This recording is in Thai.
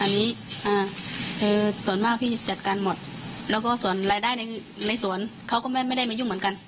อันนี้ส่วนมากพี่จะจัดการหมดแล้วก็ส่วนรายได้ในสวนเขาก็ไม่ได้มายุ่งเหมือนกัน